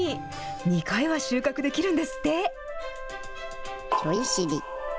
２回は収穫できるんですって。